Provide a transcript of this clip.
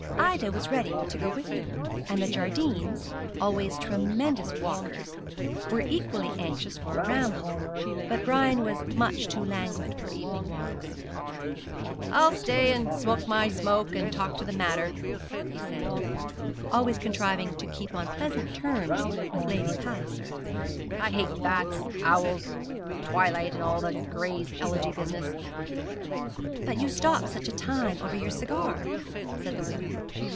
Ida was ready to go with him, and the Jardines, always tremendous walkers, were equally anxious for a ramble; but Brian was much too languid for evening walks. 'I'll stay and smoke my smoke and talk to the Mater,' he said, always contriving to keep on pleasant terms with Lady Palliser; 'I hate bats, owls, twilight, and all the Gray's Elegy business.' 'But you stop such a time over your cigar,' said the widow.